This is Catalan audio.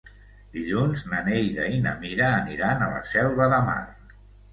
Dilluns na Neida i na Mira aniran a la Selva de Mar.